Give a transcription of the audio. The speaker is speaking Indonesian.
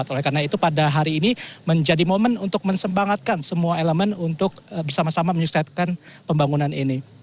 oleh karena itu pada hari ini menjadi momen untuk mensembangatkan semua elemen untuk bersama sama menyuksepkan pembangunan ini